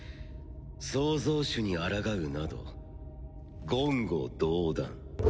創造主にあらがうなど言語道断。